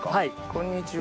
こんにちは。